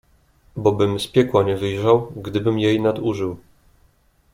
"Bo bym z piekła nie wyjrzał, gdybym jej nadużył."